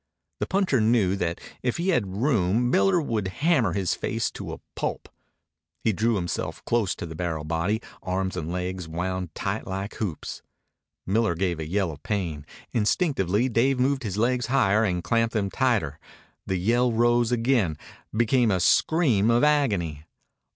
The puncher knew that if he had room Miller would hammer his face to a pulp. He drew himself close to the barrel body, arms and legs wound tight like hoops. Miller gave a yell of pain. Instinctively Dave moved his legs higher and clamped them tighter. The yell rose again, became a scream of agony.